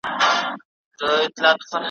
دلته به څه کړم غونچې د ګلو ,